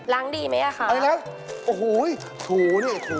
ราคาถูก